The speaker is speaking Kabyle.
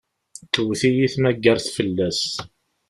Tewwet-iyi tmaggart fell-as.